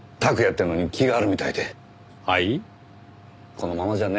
このままじゃね